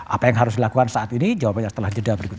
apa yang harus dilakukan saat ini jawabannya setelah jeda berikut